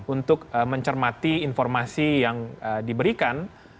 untuk mencermati informasi yang diberikan